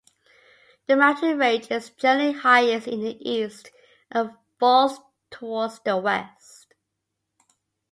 The mountain range is generally highest in the east, and falls towards the west.